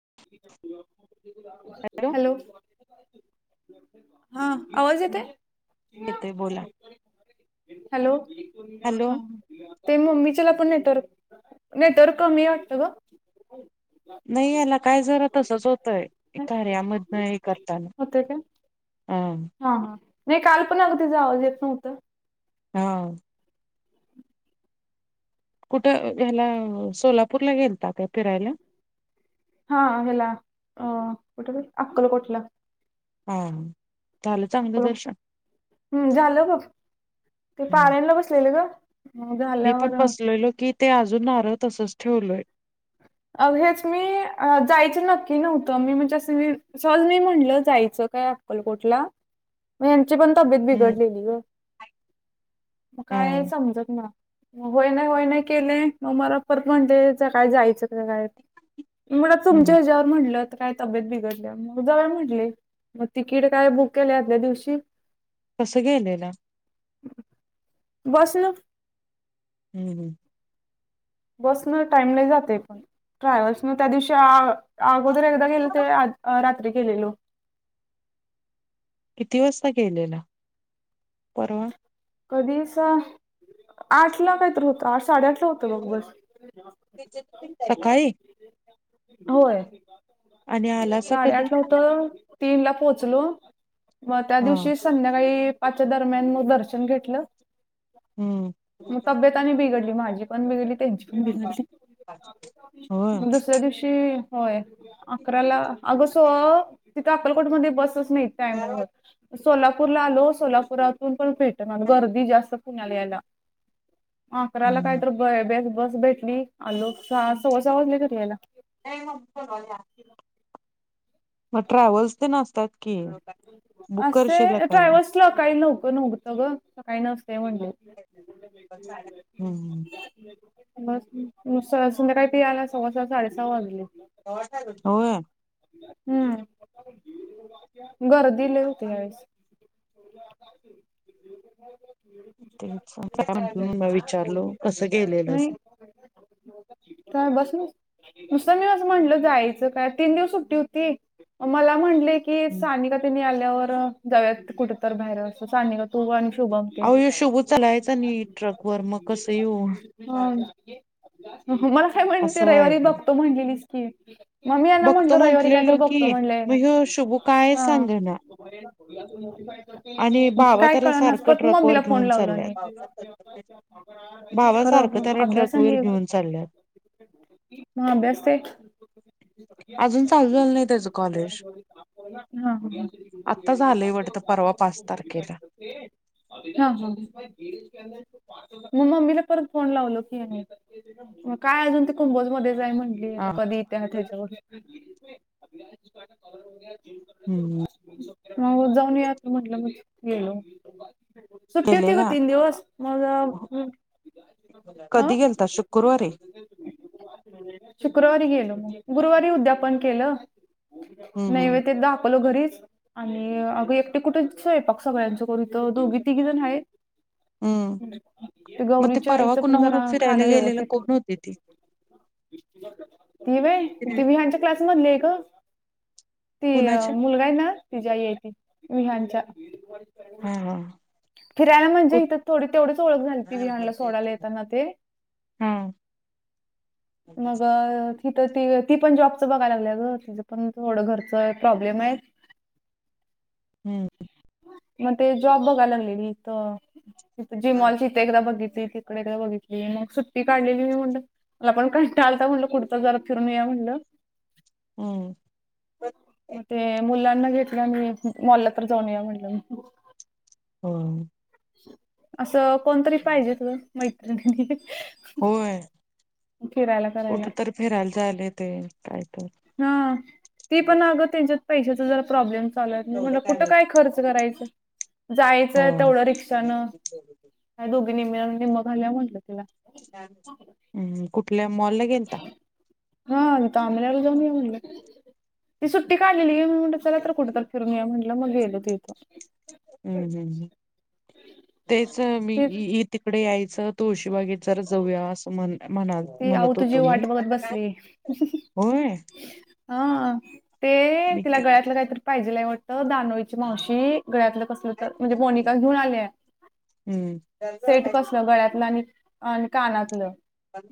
[inaudible] Hello. [inaudible] हा आवाज येत आहे. येतोय बोला [inaudible] हॅलो हॅलो ते मम्मीच्याला पण, तर नाही तरर कमी वाटत ग नाही याला. काय जरा तसच होतय कार्यामधन हे करताना होते का हा हा नाही काल पण अगदी जावजेत नव्हतं हा, कुठं ह्याला सोलापूरला गेलतातय फिरायला हा हला अ कुठ अक्कल कोठलं हो [inaudible] अकलं हम्म झालं बघ ते हम्म. पारायणला बसलेलं ग मग मी पण झाल्यावर बसलेलो की ते अजून आार तसंच ठेवलोय अ हेच मी जायचं नक्की नव्हतं मी म्हणजे असं मी सहज नाही म्हणलं जायचं काय अकलकोटला म या पण तब्येत हम्म बिघडलेली ग [inaudible] मग हा काय समजत ना होय नाही होय नाही केले नऊ मरा परत म्हणते ज काय जायचं काय? मुळ तुमच्या हम्म ह्याच्यावर म्हंटलं काय तब्येत बिघडल्या मग जव म्हटले मग तिकीट काय बुक केले आल्या दिवशी कसुगलेला बसल हम्म हम् बस न टाईम नाही जाते पण ट्रॅव्हल्सन त्या दिवशी अगोदर एकदा गेलं ते आ रात्री गेलेलो [inaudible] किती वाजता गेलेला परवा कधी आठ ला काहीत होत आठ साडेआठ होत बघस. सकाळी [unintelligible] होय, आणि आलासा साडे कधी आठ ला होत तीन ला पोहोचलो. मग त्या हा दिवशी संध्याकाळी पाच्या दरम्यान मग दर्शन घेतलं. हम्म [inaudible] मग तब्यताने बिघडली माझी पण बिघडली त्यांची [unintelligible] हो दुसऱ्या दिवशी होय अकराला अगस तिथे अक्कलकोटमध्येध्ये बसच नाही त्यायमर सोलापूरला आलो सोलापुरातून पण भेटणार गर्दी जास्त कण्याला यायला अकराला काय हम्म. तर ब बस बस भेटली आलोक सहा सव्सा वाजले तरी याला नाही मगोलवाज [inaudible] मग ट्रॅव्हल्स ते नासतात. असे नाही. ट्रयव्हल्स ला काही न्हक नव्हतं ग स काही नसत [inaudible] हम्म, संध्या काही पि आला सव्वा स साडेसहा वाजली. होय, हम्म, [inaudible] घर दिले होते याळेस [inaudible] ते म विचारलो कसं गेलेल अस का बस नस नुसतं मी असं म्हंटलं जायचं काय तीन दिवस सुट्टी होती. मला म्हणलेय की सानिका तिने आल्यावर जाव्यात कुठ तर बाहेर असतं सानिका भवान, शुभमते अहो ह्यो शुभू चालायचा नीट ट्रक वर मग कसं येऊ? ह मला काय म्हणते असं रविवारी व्हायलय बघतो म्हणलेलीस की? मग मी यांना बघतो म्हणलो रविवारी काय तर म्हंटलेलो बघतो की म्हणल आहे मग ना ह्यो शुभू काय सांगणं. [unintelligible] काय त्याला कळ नास सारखं पत ट्रक मग वर बिला फोन घेऊन लावला आणि चालल्यात. बाबा सारखं खरं त्याला ट्रक अभ्यासन वर ये घेऊन चालल्यात हां बसते. अजून चालू नाही त्याच कॉलेज. हां हां. आता हां झालंयवटतं परवा पाच तारखेला. [inaudible] मग मम्मीला परत फोन लावलो,, की म मग काय अजून ते कुंभोज मध्ये म्हंली हा कधी येत्या हम्म. मग जाऊन यात म्हटलं मग गेलो. सुुट्टी होती ग गेलेला तीन दिवस अ कधी गेलता शुक्रवारी हम्म शुक्रवारी गेलो मी. गुरुवारी उद्यापन केलं हम्म नैवद ते दा घरीच आणि अग एकटे कुठे सगळ्यांच करू तर दोघी तिघी जण आहेत हम्म ते मग गौरीच्या परवा आईचं पण कुणावर जरा फिरायला खाणं गेलेला व्यवस्थित कोण होते ती ती व त फिराय ह्यांच्या क्लासमधले आहे ग. ती अ कुणाच्या मुलगा आहे ना तिच्याई आहे त विहांच्या. हा हा. फिरायला म्हणजे कुठ इथ थोडी तेवढीच ओळख झाली ती हा विहणला सोडायला येताना ते. हम्म मग तिथ त ती पण जॉब बघाय लागलं ग तिचं पण थोडं घरच प्रॉब्लेम आहे. हम्म. मग ते जॉब बघा लागलेली इथ जिमॉलची इथे एकदा बघित ते तिकडं बघितली मग सुट्टी काढलेली, मी म्हणलं मला पण कंटाळा आलता म्हटलं कुठे तर जरा फिरून या हम्म म ते मुला घेतल्या मी मॉलला तर जाऊन या म्हणलं. ह. असं कोणतरी पाहिजेत ग मैत्रिणी. होय. फिरायला कुठ करायला तर फिरायला जायला ते काय तर ह. ती पण अगं त्यांच्यात पैशाचा जरा प्रॉब्लेम चालू आहैत. म्हटल कुठं काय खर्च करायचं? हो जायचंय तेवढं रिक्षानं काय दोघीनी मिळून निम्म घालूया म्हटलं तिला. हम्म कुठल्या? मॉलला गेलता हा तांमरायालाू जान म ती सुट्टी का आलेली म म्हट चला तर कुठ तर फिरून या म्हटलं मग गेलो तिथं हम्म हम्म ह तेच ती मी तिकडे यायच तुळशीबाग जर जाऊया अस म्हण म्हणा ती आऊ म्हणत तुझी होतो मी वाट बघत बसली. होय हा ते मी तिला क- गळ्यातलं काहीतरी पाहिजे ला वाट दानोळीची मावशी गळ्यातलं कसल तर म्हणजे मोनिका घेऊन आल्या हम्म सेट कसल गळ्यातलं आणि अ कानातल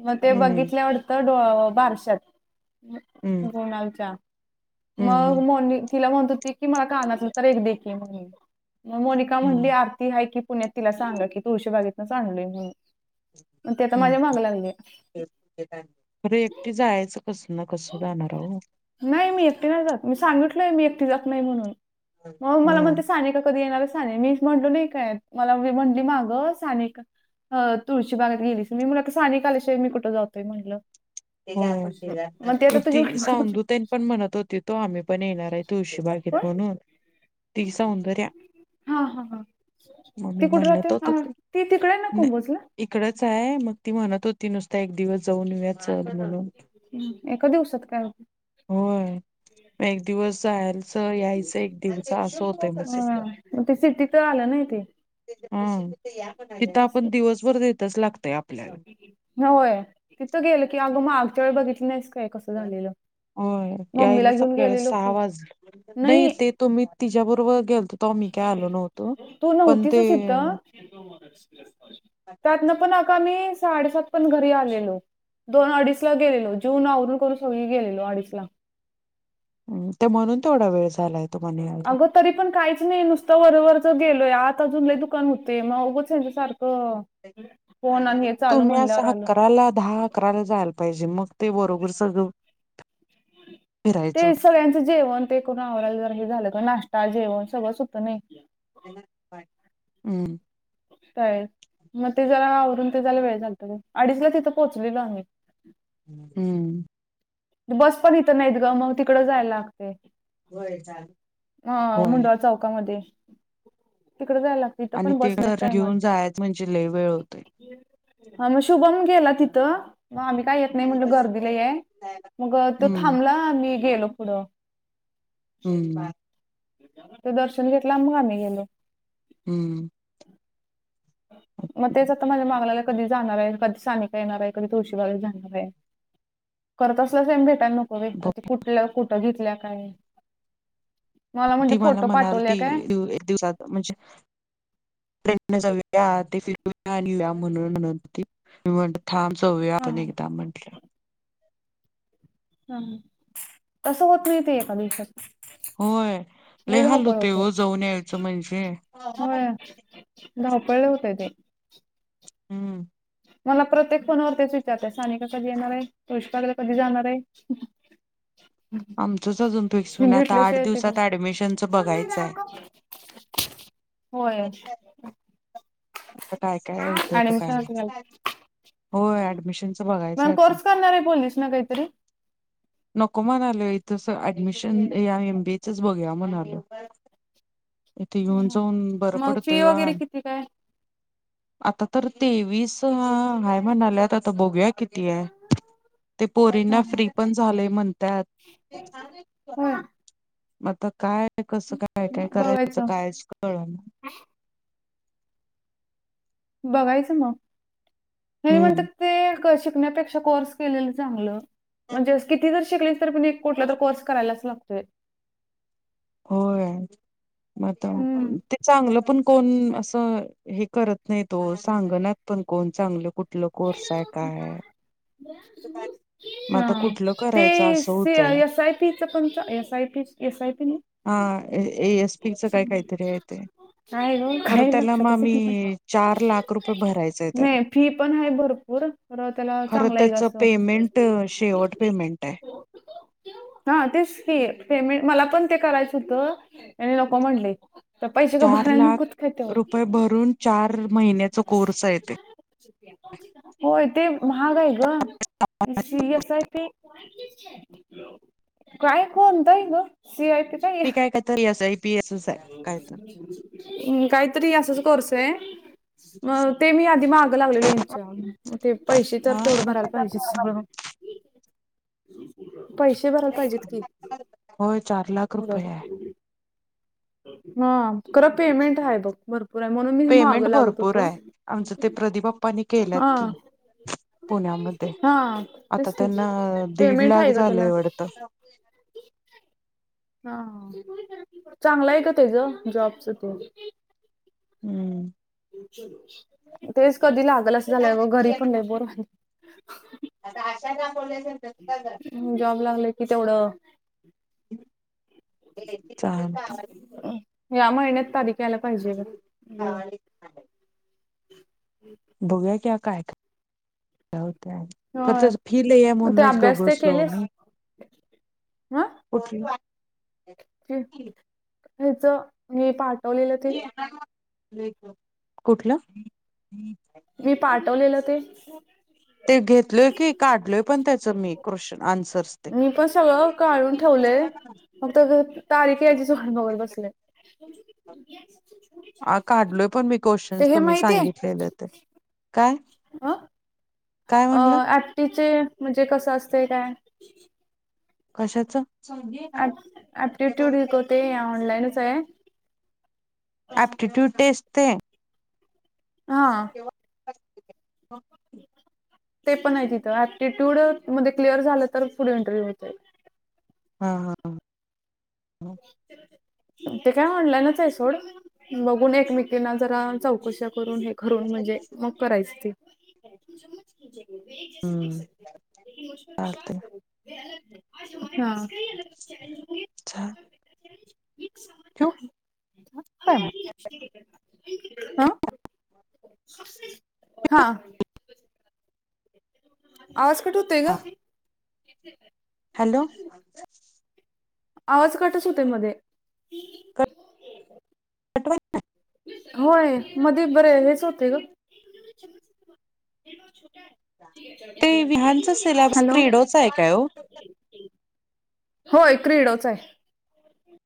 मग ते हम्म बघितल्या वाढत बारशात. हम्म गोणालच्या हम्म मग मोनी तिला म्हणत होती की मला कान तर एक दे की म्हण म मोनिका म्हणली हम्म आरती ह की पुण्यात तिला सांगा की तुळशी बागेतनच आणलय म्हणून मग ते आता माझ्या माग लागे. अरे एकटी जायचं कस. ना कस जाणारह नाही मी एकटी नाही जात मी सांगितलोय मी एकटी जात नाही म्हणून मग हा मला म्हणते साने का कधी येणार. मीच म्हटलो नाही काय मलाी म्हटली मागं साने अ तुळशी भागात गेलीच मी मुला सानेिक कालशिवा मीुठ जातोय म्हटलं मग ती वाट बघत सांदुतान पण म्हणत होती तो आम्ही पण येणार आहे. तुळशी बागेत कोण म्हणून ति सौंदर्या हा हा हा. मग मी ती कुठं राहते म्हणत होत हा होते ती तिकडे आहे ना कुंभोजला इकडच आहे मग ती म्हणत होती. ती नुसता एक दिवस जाऊन येऊयात. म्हणून हम्म, एका दिवसात काय होय. म एक दिवस जायलाच यायचं एक दिवस असं होतय मा हं, मग ते सिटी [unintelligible] हम इथ आपण हम्म. दिवसभर देतच लागत. होय तिथं गेलं की अगं मग आगच्या वेळी बघितलं नाहीस काय कसं झालेलं. हो मम्मीला यायलाच घेऊन आपल्याला गेलेलो सहा की वाजलं नाही ते तु्ी तिच्याबरोबर त ममी काय आलो नव्हतो. तू पण नव्हतीस ते सिद्ध त्यातन पण आका मी साडेसात पण घरी आलेलो. दोन अडीच ला गेलेलो जून आवरून करून सगळी गेलेलो अडीच ला. हम ते म्हणून थोडा वेळ झालाय. तुम्हाला यायला अगं तरी पण काहीच नाही नुसतं वरोबरच गेलोय आता अजूनला दुकान होते मग चच्या सारखं. तुम्ही असा अकराला दहा अकराला जायला पाहिजे मग ते बरोबर सगळं. फिरायचं ते सगळ्यांचं जेवण ते करून आवराला जर हे झालं तर नाश्त. ताजेवण सगळंच होतं नाही. हम्म. तळेल मग ते जला आवरून ते त्याला वेळ चागत अडीचला तिथं पोहोचलेलो आम्ही हम्म. बस पण इथं नाहीत गं मग तिकडं जायला लागते. ह होय मुंडळ चौकामध्ये तडे जाय लाग तिथ आणि पण ते बस नाही घर टाइम घेऊन जायच म्हणजे लय वेळ होतोय. हा मग शुभम गेला तिथं मग आम्ही काय येत नाही म्हणलं गर्दीला आहे. मग तो हम्म थांबला मी गेलो पुढं. हम्म बा ते दर्शन घेतलं मग आम्ही गेलो. हम्म. हो. मग तेच आता माझ्या मागलाला कधी जाणार आहे कधी सानिका येणार आहे कधी तुळशीबागरे जाणार आहे. करत असल्या सम भेटायला नको व अर ते कुठल्या कुठं घेतल्या काय? म्हणजे ती मला फोटो म्हणाल पाठवल्या ती काय एक दिवसात म्हणजे त्या आधी फिरून आल्या म्हणाल ती मग ती थांम जाऊया हा आपण हा एकदा आपण म्हंटल्या. हम तसं होत नाही ते एका दिवसात होय लय लई हाल होते हो जाऊन यायचं म्हणजे हो धावपळ लय होते ते हम्म. मला प्रत्येक फोनावर तेच विचारते सानिका कधी येणार आहे पुळुष्पागला कधी जाणार आहे. [inaudible] आमचंच अजून फिक्स हून न आता आठ घेतल्याशिवाय ते दिवसात ऍडमिशनच बघायचं आहे. [inaudible] होय आता काय काय होतं काय ऍडमिशन घाल माहित हो ऍडमिशनच बघायचं मग आता. कोर्स करणार आहे बोललीस ना काहीतरी नको म्हणालोय इथं ऍडमिशन एमबीएच च बघूया म्हणालोय. इथे येऊन जाऊन बर मग फी पडतय हो. वगैरे किती काय? आता तर तेवीस हाय म्हणाल्यात आता बघूया. किती ते हा पोरींना हा फ्री पण झालय म्हणत्यात होय आता काय कसं काय काय करायच बघायचं कायच कळना. बघायचं मग हे हम्म म्हणतात ते कसे, शिकण्यापेक्षा कोर्स केलेले चांगलं म्हणजे किती जरी शिक लीस तरी कुठला तर कोर्स करायलाच लागतोय. होय हम्म. ते चांगलं पण कोण अस हे करत नाही. तो सांगनात पण कोण चांगलं कुठ कुठलं कोर्स आहे काय हाय हा ते एस आय पीच पण च S I P S I P नाही हा ए एस पीच काय काहीतरी आहे ते का ग खरं काही त्याला मग लक्षात नाही आम्ही चार फी लाख रुपये भरायचे आहेत. पण फी पण हाय भरपूर पण त्याला चांगला आहे ग त्याच असं पेमेंट शेवट पेमेंट आहे. हा तेच की पेमेंट मला पण ते करायचं होतं ह्यांनी नको म्हणले पैसे तर चार भरायला लाख नकोत का तेवढ रुपये भरून चार महिन्याचा कोर्स आहे ते होय ते महाग आहे ग सी एस आय पी काय कोणतय ग सी आय पी ती काय तर P S I P S I आहे काय हम् काहीतरी असंच कोर्स आहे. मग ते मी आधी मागं लागलेले यांच्या ते पैसे तर हा तेवढं भरायला पाहिजे सगळं [inaudible] ह पैसे भरा पाहिजेत कि होय चार लाख थोडं रुपये आहे हा खरं पेमेंट आहे बघ भरपूर आहे म्हणून मी पेमेंट मागं लागत भरपूर होतो आहे. आमचं ते प्रदीप आप्पांनी हा केल्यात की पुण्यामध्ये हा आता तेच त्यांना की दीड पेमेंट लाख आहे ग झाले त्याला वाटतं. [inaudible] हा चांगला आहे का त्याच जॉबच हम्म तेच कधी लागल अस झालंय. घरी पण बोर व्हायला लागल. आता अशा हम जॉब लागल कि तेवढं, चालेल ह्या महिन्यात तारीख यायला पाहिजे गं बघूया कि काय आता होय फि लय आहे मग ते म्हणूनच गप्प अभ्यास ते बसलो केलेस मी. ह कुठली ह्याच मी पाठ कुठलं मी पाठवलेलं ते ते घेतलय की काढलोय पण त्याच मी क्वेश्चन आन्सर्स. मी पण सगळं काढून ठेवलंय फक्त आता तारीख यायचीच वाट बघत बसलोय. हा काढलोय पण मी क्वेशन ते हे तुम्ही माहितीये सांगितलेले ते. काय? अ काय अ म्हटलं आटीचे म्हणजे कसं असतंय काय? कशाचं? ऍप ऍप्टिट्यूडिक होते ऑनलाईनच आहे. ॲप्टिट्यूड टेस्ट ते हा. हा. ते पण आहे तिथं ऍप्टिट्यूडिकमध्ये क्लिअर झालं तर फुल इंटरव्ह्यू होतंय. हा, हा. ते काय ऑनलाईनच आहे सोड. बघून एकमेकीना जरा चौकश्या करून हे करून म्हणजे मग करायच ते. हम्म चालतंय हा. ठेऊ काय मग? हा हा. आवाज कट होतंय हा गं. हॅलो. आवाज कटच होतंय मध्ये. [unintelligible] होय मध्ये बरे हेच होते ग ते विहानचा सिलॅबस हॅलो. क्रीडोचा आहे काय ओ होय क्रीडोच हाय.